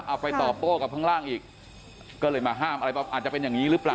เอาไปตอบโต้กับข้างล่างอีกก็เลยมาห้ามอะไรแบบอาจจะเป็นอย่างนี้หรือเปล่า